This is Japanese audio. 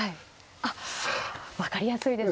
あっ分かりやすいです。